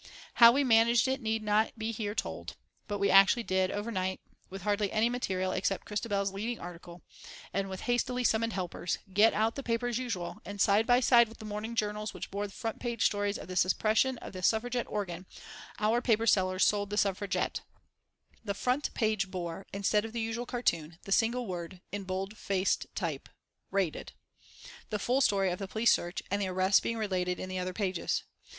How we managed it need not here be told, but we actually did, overnight, with hardly any material, except Christabel's leading article, and with hastily summoned helpers, get out the paper as usual, and side by side with the morning journals which bore front page stories of the suppression of the Suffragette organ, our paper sellers sold The Suffragette. The front page bore, instead of the usual cartoon, the single word in bold faced type "RAIDED," the full story of the police search and the arrests being related in the other pages.